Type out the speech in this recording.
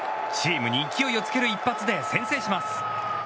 チームに勢いをつける一発で先制します。